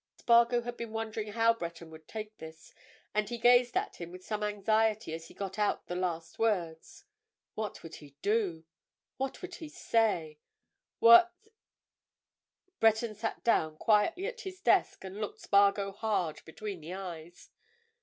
Spargo had been wondering how Breton would take this, and he gazed at him with some anxiety as he got out the last words. What would he do?—what would he say?—what—— Breton sat down quietly at his desk and looked Spargo hard between the eyes.